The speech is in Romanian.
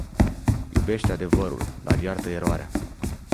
Iubește adevărul, dar iartă eroarea.